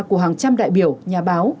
của hàng trăm đại biểu nhà báo